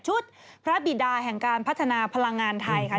พระบิดาแห่งการพัฒนาพลังงานไทยค่ะ